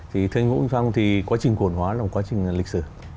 thì thưa anh hữu úng phong thì quá trình cổ phần hóa là một quá trình lịch sử